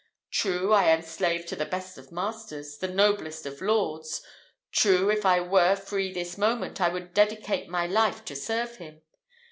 True, I am slave to the best of masters, the noblest of lords true, if I were free this moment, I would dedicate my life to serve him.